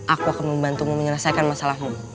aku akan membantumu menyelesaikan masalahmu